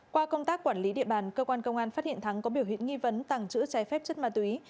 qua công tác quản lý địa bàn cơ quan công an phát hiện thắng có biểu hiện nghi vấn tàng trữ trái phép chất ma túy